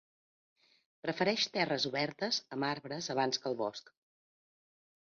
Prefereix terres obertes amb arbres abans que el bosc.